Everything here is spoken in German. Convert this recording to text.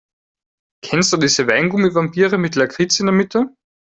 Kennst du diese Weingummi-Vampire mit Lakritz in der Mitte?